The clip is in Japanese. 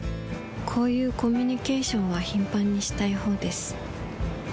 こういうコミュニケーションは頻繁にしたいほうです。